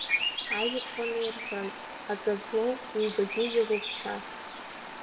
Ажәаԥҟаны ирҳәоит, акы злоу, ҩбагьы илоуп ҳәа.